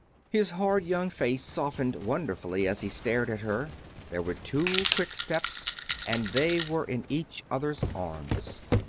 His hard young face softened wonderfully as he stared at her; there were two quick steps and they were in each other's arms.